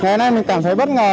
ngày nay mình cảm thấy bất ngờ